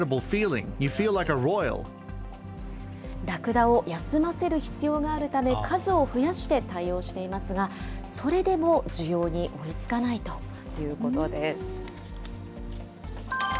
ラクダを休ませる必要があるため、数を増やして対応していますが、それでも需要に追いつかないということです。